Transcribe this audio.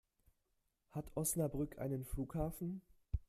Hat Osnabrück einen Flughafen?